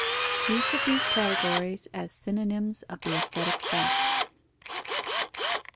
_Use of these categories as synonyms of the aesthetic fact.